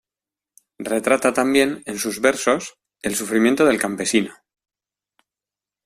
Retrata también, en sus versos, el sufrimiento del campesino.